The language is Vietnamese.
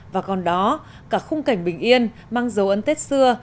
và còn đó cả khung cảnh bình yên mang dấu ấn tết xưa